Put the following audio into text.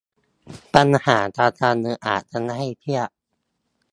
ปัญหาทางการเงินอาจทำให้เครียด